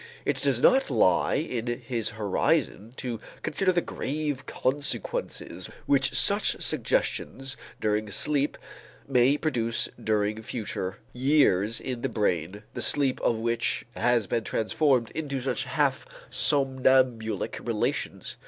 It does not lie in his horizon to consider the grave consequences which such suggestions during sleep may produce during future years in the brain the sleep of which has been transformed into such half somnambulic relations.